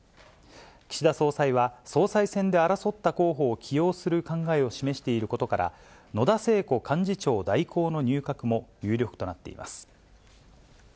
岸田総裁は、総裁選で争った候補を起用する考えを示していることから、野田聖子幹事長代行の入閣も有力となっています。